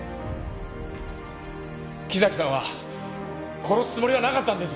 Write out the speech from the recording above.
木崎さんは殺すつもりはなかったんです！